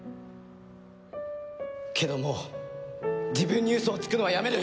けどもう自分に嘘をつくのはやめる！